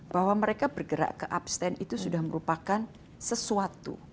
bahwa mereka bergerak ke abstain itu sudah merupakan sesuatu